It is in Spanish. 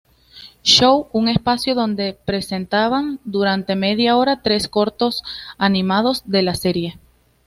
Show", un espacio donde presentaban durante media hora, tres cortos animados de la serie.